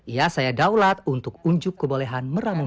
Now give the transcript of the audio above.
ya saya daulat untuk unjuk kebolehan meramung bidang